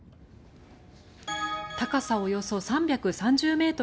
高さおよそ３３０ｍ